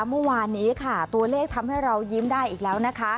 เมื่อวานนี้ค่ะตัวเลขทำให้เรายิ้มได้อีกแล้วนะคะ